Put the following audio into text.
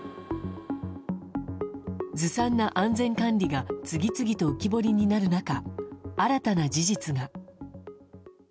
ずさんな安全管理が次々と浮き彫りになる中新たな事実が。